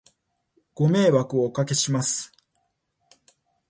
ご迷惑をお掛けします